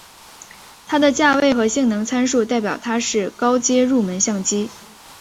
它的价位和性能参数代表它是高阶入门相机。